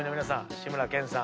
志村けんさん